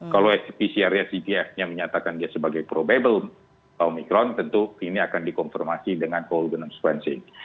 kalau pcr sgtf nya menyatakan dia sebagai probable omikron tentu ini akan dikonfirmasi dengan ergonom sequencing